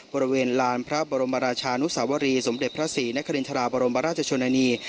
บริเวณลานพระบรมราชานุสาวรีสมเด็จพระศรีนครินทราบรมราชชนนานี